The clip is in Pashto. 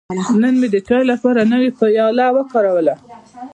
نن مې د چای لپاره نوی پیاله وکاروله.